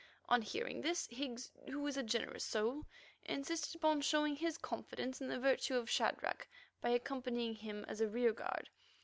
On hearing this, Higgs, who is a generous soul, insisted upon showing his confidence in the virtue of Shadrach by accompanying him as a rearguard.